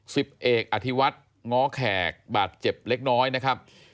สิบเอกอธิวัฒน์ง้อแขกบาดเจ็บเล็กน้อยนะครับ